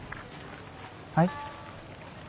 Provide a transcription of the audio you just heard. はい？